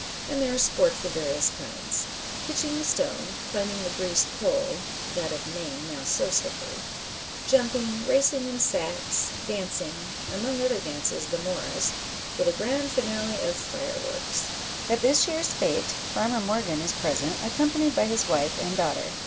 And there are sports of various kinds, pitching the stone, climbing the greased pole that of May now so slippery jumping, racing in sacks, dancing among other dances the Morris with a grand finale of fireworks. At this year's fete Farmer Morgan is present, accompanied by his wife and daughter.